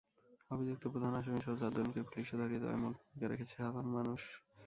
অভিযুক্ত প্রধান আসামিসহ চারজনকেই পুলিশে ধরিয়ে দেওয়ায় মূল ভূমিকা রেখেছে সাধারণ মানুষ।